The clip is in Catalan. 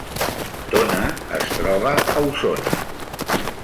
Tona es troba a Osona